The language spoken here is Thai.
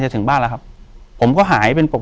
อยู่ที่แม่ศรีวิรัยิลครับ